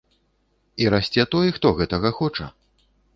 І расце той, хто гэтага хоча.